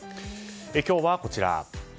今日は、こちら。